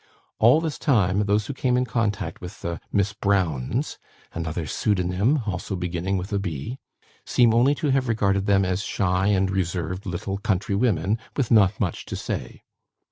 All this time those who came in contact with the "Miss Browns" (another pseudonym, also beginning with B), seem only to have regarded them as shy and reserved little country women, with not much to say.